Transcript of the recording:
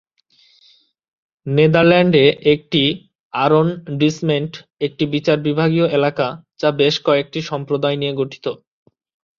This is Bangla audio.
নেদারল্যান্ডে একটি "আরোনডিসমেন্ট" একটি বিচার বিভাগীয় এলাকা, যা বেশ কয়েকটি সম্প্রদায় নিয়ে গঠিত।